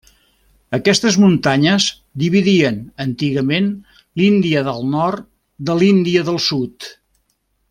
Aquestes muntanyes dividien antigament l'Índia del nord de l'Índia del sud.